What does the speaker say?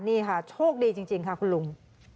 นี่ค่ะโชคดีจริงค่ะคุณลุง